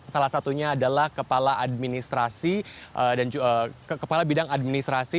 salah satunya adalah kepala bidang administrasi